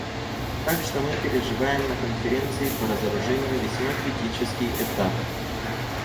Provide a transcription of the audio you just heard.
Так что мы переживаем на Конференции по разоружению весьма критический этап.